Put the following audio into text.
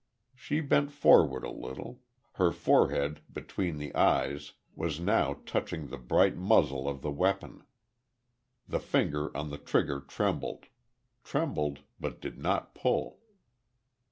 She bent forward a little.... Her forehead, between the eyes, was now touching the bright muzzle of the weapon. The finger on the trigger trembled trembled but did not pull.